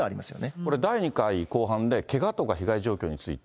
これ、第２回公判でけがとか被害状況について。